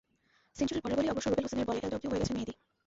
সেঞ্চুরির পরের বলেই অবশ্য রুবেল হোসেনের বলে এলবিডব্লু হয়ে গেছেন মেহেদী।